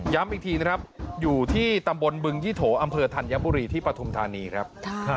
อีกทีนะครับอยู่ที่ตำบลบึงยี่โถอำเภอธัญบุรีที่ปฐุมธานีครับ